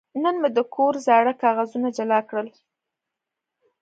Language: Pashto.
نن مې د کور زاړه کاغذونه جلا کړل.